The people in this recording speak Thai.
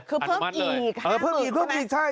คือเพิ่มอีก๕๐๐๐๐ใช่ไหม